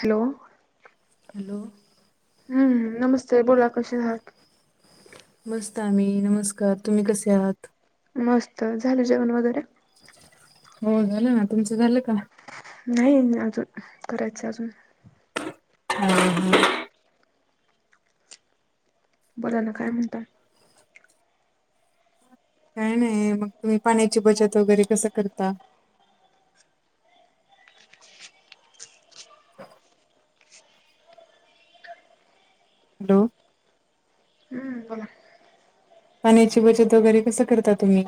Hello hello हम्म नमस्ते बोला कशी झााक मस्त आम्ही नमस्कार तुम्ही कसे आहात मस्त झालं जेवण वगैरे हो झालं ना तुमचं झालं का नाही अजून करायचं अजून हा हम बो ना काय म्हणतात काय नाही मग तुम्ही पाण्याची बचत वगैरे कसं करता [unintelligible] हॅलो हम्म बोला पाण्याची बचत वगैरे कसं करता तुम्ही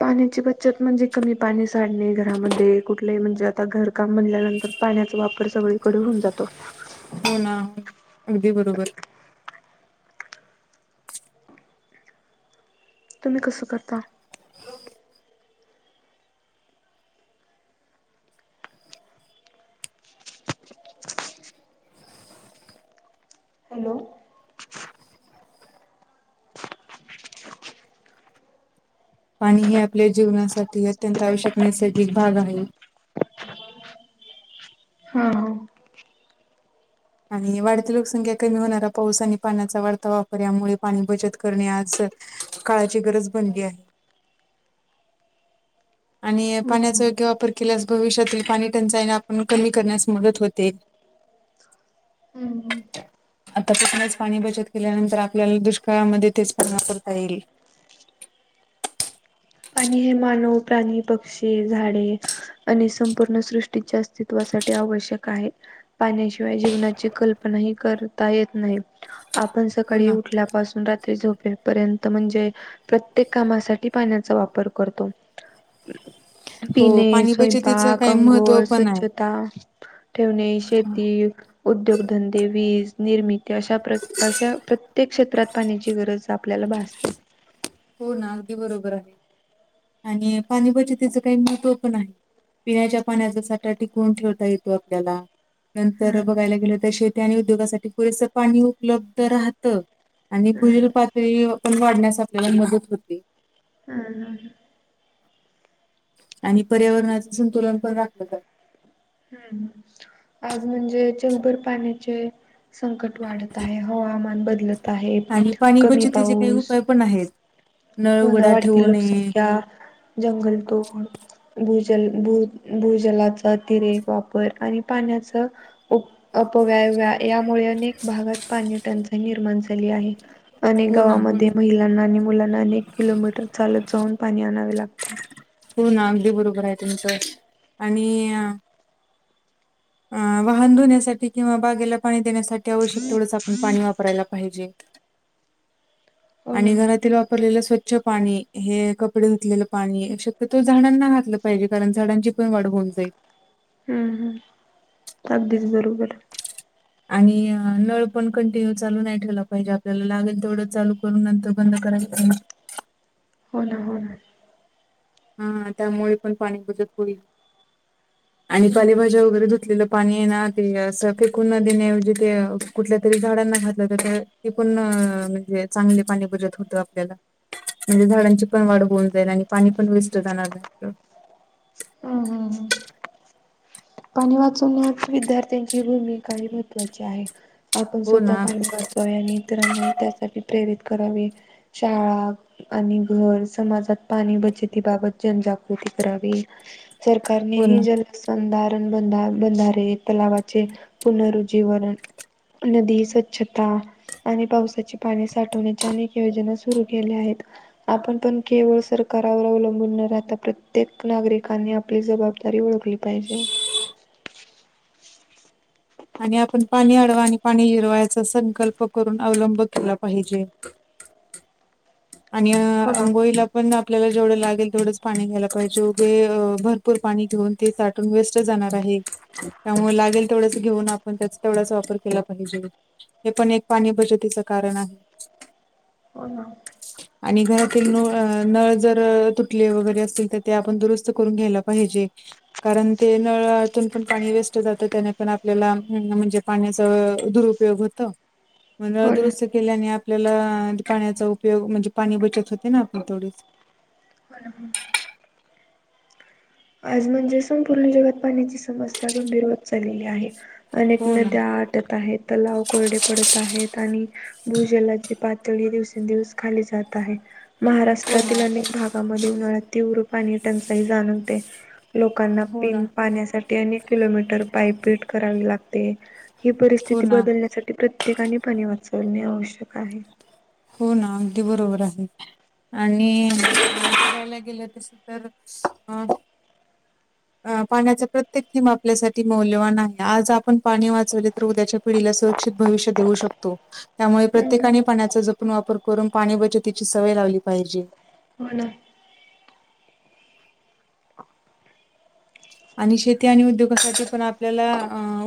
पाण्याची बचत म्हणजे कमी पाणी साडणे घरामध्ये कुठले म्हणजे आता घर काम म्हनल्यानंतर पाण्याचा वापर सगळीकडे होऊन जातो हो ना हो अगदी बरोबर तम्ही कसं करता हॅलो पाणी हे आपल्या जीवनासाठी अत्यंत आवश्यक नैसर्गिक भाग आहे हा हा आणि वाढती लोकसंख्या कमी होणारा पाऊस आणि पाण्याचा वाढता वापर यामुळे पाणी बचत करणेज काळाची गरज बनली आहे आणि हम्म पाण्याचा योग्य वापर केल्यास भविष्यातील पाणी टंचाईन आपण कमी करण्यास मदत होते [unintelligible] हम् हम तस पच पाणी बचत केल्यानंतर आपल्याला दुष्काळामध्ये तेच पूर्ण करता येईल पाणी हे मानव प्राणी पक्षी झाडे आणि संपूर्ण सृष्टीच्या अस्तित्वासाठी आवश्यक आहे पाण्याशिवाय जीवनाची कल्पना ह करता येत नाही आपण हो सकाळी ना. उठल्यापासून रात्री झोपेपर्यंत म्हणजे प्रत्येक कामासाठी पाण्यात चा वापर करतो हो पिणे पाणी शोयबा बचतीचं काही महत्त्व अंगोोल पण आहे. स्वच्छता ठेवणे हा. शेती उद्योगधंदे वीज निर्मिती अशा अशा प्रत्येक क्षेत्रात पाण्याची गरज तर आपल्याला भासते हो ना अगदी बरोबर आहे आणि पाणीबाची त्याचं काही महत्व पण आहे पिण्याच्या पाण्याचा साठा टिकवून ठेवता येतो आपल्याला नंतर बघायला गेलं तर शेती आणि उद्योगासाठी पुरेस पाणी उपलब्ध राहतं आणि हम्म पूजल पातळी पण वाढण्यास आपल्याला मदत होते हम हम ह आणि पर्यावरणाच संतुलन पण राखलं जातं हम् आज म्हणजे जगभर पाण्याचे संकट वाढत आहे हवामान बदलत आहे आणि पाणी कमी बचतीचे काही पाऊस उपाय पण आहेत नळ उघडा ठेवणे जंगल त होण भूजल भू भूजलाचा अतिरेक वापर आणि पाण्याचा अपवय यामुळे अनेक भागात पाणी टंचाई निर्माण झाली आहे अनेक हो ना हो ना गावांमध्ये महिलांना आणि मुलांना अनेक किलोमीटर चालत जाऊन पाणी आणावे लागते हो ना अगदी बरोबर आहे तुमचं आणि अ वाहन धुण्यासाठी किंवा बागेला पाणी देण्यासाठी आवश्यक तेथोडंच आपण पाणी वापरायला पाहिजे हो ना आणि घरातील वापरलेल्या स्वच्छ पाणी हे कपडे ुतलेलं पाणी अ शक्यतो झाडांना घातलं पाहिजे कारण झाडांची पण वाढ होऊन जाईल हम्म हम् अगदीच बरोबर आणि नळ पण कंटिन्यू चालू नाही ठेवला पाहिजे आपल्याला लागेल तेथवडं चालू करून नंत बंद कराय हो ना हो ना हाा त्यामुळे पण पाणी बचत होईल आणि हम्म कालेभाज्या वगैरे धुतलेलं पाणी आहे ना ते असं फेकून न देण्याऐवजी ते कुठल्या तरी झाडांना घातलं तर ती पण म्हणजे चांगले पाणी बजत होतं आपल्याला म्हणजे झाडांची पण वाढ होऊन जाईल आणि पाणी पण वेस्ट जाणार नाही आप ह पाणी वाचवण्या विद्यार्थ्यांची भूमिकाही महत्त्वाची आहे आपण हो स्वतः ना पाणी भरचावे आणि इतरांनाही त्यासाठी प्रेरित करावे शाळा आणि घर समाजात पाणी बचतीबाबत जनजागृती करावी सरकारने हो ना ही जलसंधार बंधारे तलावाचे पुनरुज्जीवरण नदी स्वच्छता आणि पावसाचे पाणी साठवण्याच्या अनेक योजना सुरू केल्या आहेत आपण पण केवळ सरकारवर अवलंबून न राहता प्रत्येक नागरिकानी आपली जबाबदारी ओळखली पाहिजे आणि आपण पाणी अडवा आणि पाणी जिरवा याचा संकल्प करून अवलंब केला पाहिजे आणि हो ना. अंंगोळीला पण आपल्याला जेवढं लागेल तेवढंच पाणी घ्यायला पाहिजे उभे भरपूर पाणी घेऊन ते साठून वेस्ट जाणार आहे त्यामुळे लागेल थोड घेऊन आपण त्याचा तेवढाच वापर केला पाहिजे हे पण एक पाणी बचतीचं कारण आहे [inaudible] हो ना [inaudible] आणि घरात नळ नळ जर तुटले वगैरे असतील तर, ते आपण दुरुस्त करून घ्यायला पाहिजे. कारण ते नळातून पण पाणी वेस्ट जातं. त्या पण आपल्याला म्हणजे पाण्याचा दुरुपयोग होत म्हण हो ना. दुरुस् केल्याने आपल्याला पाण्याचा उपयोग म्हणजे पाणी बचत होते ना आपण थोडीच होण ह आज म्हणजे संपूर्ण जगात पाण्याची समस्या गंभीर होत चाललेली आहे अनेक हो ना नद्या आटत आहेत तलाव कोरडे पडत आहेत आणि भूजलाची पातळी ही दिवसेंदिवस खाली जात आहे हो ना महाराष्ट्रातील अनेक भागामध्ये उन्हाळ्या तीव्र पाणी टंचाई जाणवते लोकांना हो ना पिन पाण्यासाठी अनेक किलोमीटर पायपीट करावी लागते ही हो परिस्थिती ना बदलण्यासाठी प्रत्येकाने पाणी वाचवणे आवश्यक आहे हो ना अगदी बरोबर असते आणि करायला गेलं तस तर अ अ पाण्याचा प्रत्येक थीम आपल्यासाठी मौल्यवान आहे आज आपण पाणी वाचवले तर उद्याच्या पिढीला सुरक्षित भविष्य देऊ शकतो त्यामुळे प्रत्येकाने हम्म. पाण्या आपण वापर करून पाणी बचतीची सवय लावली पाहिजे हो, ना, आणि शेती, आणि उद्योगासाठी पण आपल्याला,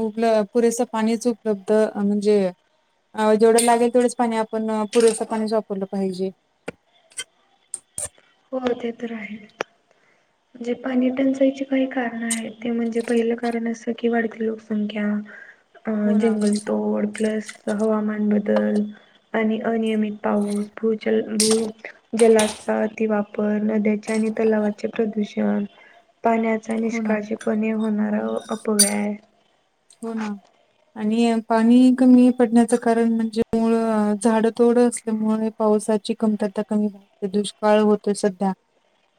उप पुरेसा पाणीच उपलब्ध म्हणजे, अ जेवढं लागेल तेवढंच पाणी, आपण पुरेसं पाणी वापरलं पाहिजे, हो ते तर आहे च, म्हणजे पानी टंचायची काही कारणं आहेत. ते म्हणजे पहिलं कारण, असं कि वाढती लोकसंख्या, अ हो ना, जंगलतोड, प्लस हवामान बदल, आणि अनियमित पाऊस, भूजल भू जलाचा, वापर नद्याचे आणि, तलावाचे प्रदूषण, पाण्याचा हो ना, निष्काळजी पणे होणारा, अपव्यय, हो, ना आणि पाणी कमी पडण्याचं कारण, म्हणजे मुळ अ झाडं थोडं असल्यामुळे, पावसाची कमतरता कमी भगते, दुष्काळ होतोय सध्या.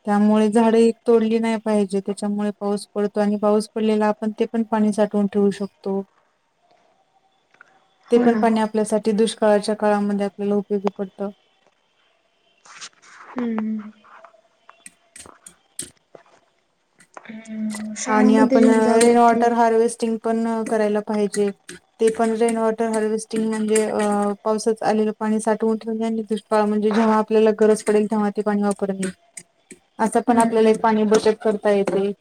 त्यामुळे, झाडं तोडली नाही पाहिजे, त्याच्यामुळे पाऊस पडतो आणि पाऊस पडलेला आपण ते पण पाणी, साठवून ठेवू शकतो, ते हो पण ना पाणी आपल्यासाठी दुष्काळाच्या काळामध्ये, आपल्याला उपयोगी पडतं. हम्म, हम्म. आणि शाळामध्ये आपण, रेन जनजागृती वॉटर हार्वेस्टिंग, पण करायला पाहिजे. ते पण, रेन वॉटर हार्वेस्टिंग म्हणजे! अ पावसात आलेलं पाणी साठवून ठेवने, आणि का म्हणजे जेव्हा, आपल्याला गरज पडेल तेव्हा, ते पाणी वापरणे, असं पण हम्म आपल्याला, हम्म एक पाणी बचत करता येतेनाही,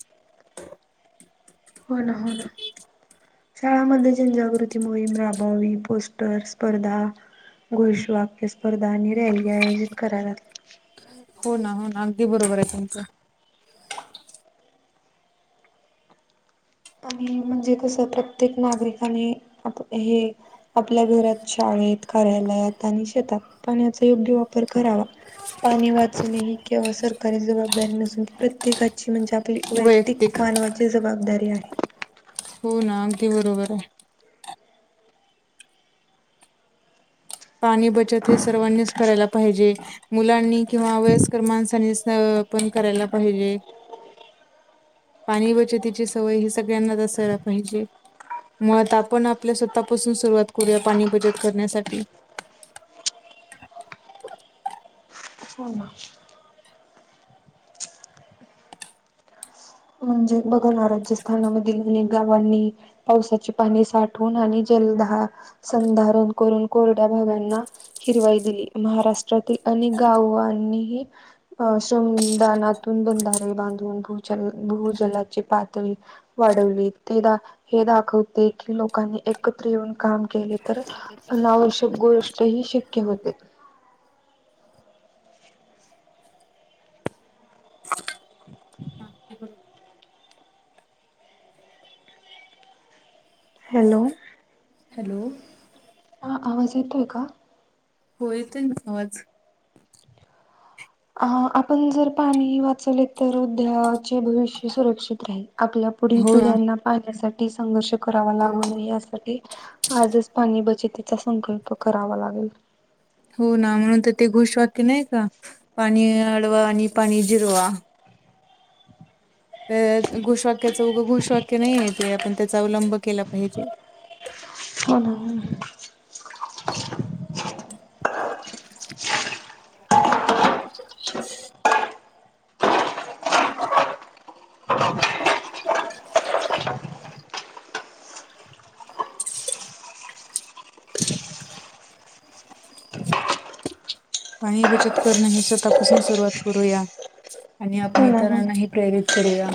[unintelligible] शाळामध्ये जनजागृती मोहीम राबवी ने, पोस्टर्स स्पर्धा, गोश वाक्य स्पर्धा, आणि रॅली आयोजित करावयात, हो, ना, हो, ना अगदी बरोबर आहे तुमचं. आणि म्हणजे कसं, प्रत्येक नागरिकाने आप हे आपल्या घरात, शाळेत, कार्यालयात, आणि शेतात पाण्याचा योग्य वापर करावा. पाणी वाचणे, ही किंवा सरकारी जबाबदारी नसून, प्रत्येकाची म्हणजे आपली वैयक्तिक, मानवाची जबाबदारी आहे. हो, ना अगदी बरोबर आहे. पाणी बचत हे, सर्वांनीच करायला पाहिजे. मुलांनी किंवा, वयस्कर माणसांनी अं पण करायला, पाहिजे. पाणी बचतीची सवय ही, सगळ्यांनाच असायला पाहिजे, मुळात आपण, आपल्या स्वतःपासून सुरुवात करूया, पाणी बचत करण्यासाठी. हो, ना, म्हणजे बघा ना, राज्यस्थानामधील अनेक गावांनी पावसाची पाणी साठवून, आणि जलधार संधारण करून, कोरड्या भागाना, हिरवाई दिली, महाराष्ट्रातील अनेक गावांनीही, अं श्रमदानातून बंधारे बांधून, भूजल भूजलाची पातळी, वाढवली ते दा हे, दाखवते की लोकांनी एकत्र येऊन काम केले तर, अनावश्यक गोष्ट ही, शक्य होते, [unintelligible] हॅलो? हॅलो! हा, आवाज येतोय का? हो येतोय न, आवाज, अहा आपण जर पाणी वाचवले त, र उद्याचे भविष्य सुरक्षित राहील, आपल्या पुढील हो ना पिढ्यांना पाण्यासाठी, संघर्ष करावा लागू नये यासाठी, आजच पाणी बचतीचा, संकल्प करावा लागतो, हो, ना म्हणून तर ते, घोषवाक्य नाही का, पाणी अडवा, आणि पाणी जिरवा, तर घोषवाक्याचं उगं घोषवाक्य नाहीये, ते आपण त्याचा अवलंब केला पाहिजे, हो, ना, [inaudible] [inaudible] पाणी बचत करणं हे स्वतःपासून सुरुवात करूया. आणि आपण ना हो इतरांनाही प्रेरित करूया.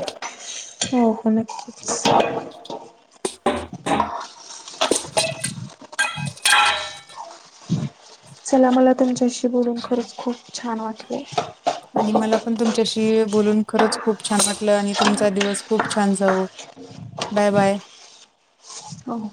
हो कनेक्ट होत स. चला मला तुमच्याशी बोलून खरंच खूप छान वाटलं. आणि मला पण तुमच्याशी बोलून खरंच खूप छान वाटलं आणि तुमचा दिवस खूप छान जाऊ. Bye bye. हो